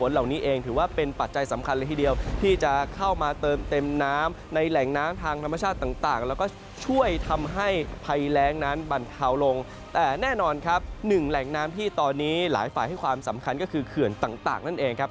หนึ่งแหล่งน้ำที่ตอนนี้หลายฝ่ายให้ความสำคัญก็คือเขื่อนต่างนั่นเองครับ